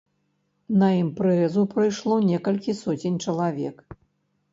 На імпрэзу прыйшло некалькі соцень чалавек.